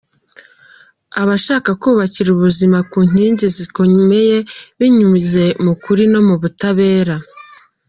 Aba ashaka kubakira ubuzima ku nkingi zikomeye binyuze mu kuri no mu butabera.